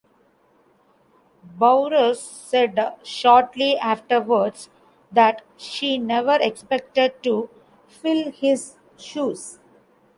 Bowers said, shortly afterwards, that she never expected to "fill his shoes".